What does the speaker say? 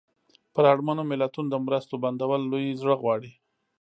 پر اړمنو ملتونو د مرستو بندول لوی زړه غواړي.